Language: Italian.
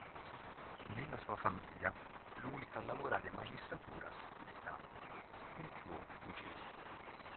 Nella sua famiglia l'unico a lavorare in magistratura è stato un suo cugino.